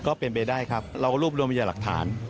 ก็เป็นไปได้ครับเรารวบรวมพยาหลักฐาน